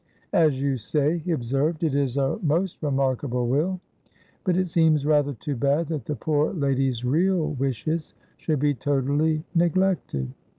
"As you say," he observed, "it's a most remarkable will. But it seems rather too bad that the poor lady's real wishes should be totally neglected."